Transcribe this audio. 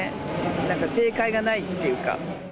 なんか正解がないっていうか。